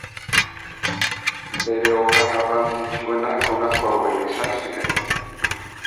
Bere obra garrantzitsuenak honako hauek izan ziren.